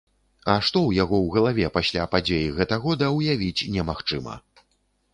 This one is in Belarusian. А што ў яго ў галаве пасля падзей гэта года, ўявіць немагчыма!